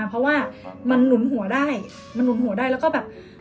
เพราะว่ามันหนุนหัวได้มันหนุนหัวได้แล้วก็แบบ